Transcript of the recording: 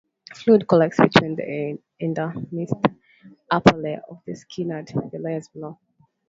Fluid collects between the epidermisthe upper layer of the skinand the layers below.